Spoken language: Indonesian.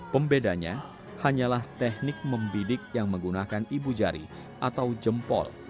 pembedanya hanyalah teknik membidik yang menggunakan ibu jari atau jempol